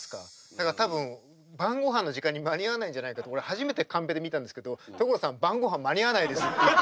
だから多分晩ごはんの時間に間に合わないんじゃないかと俺初めてカンペで見たんですけど「所さん晩ごはん間に合わないです」っていうカンペが出て。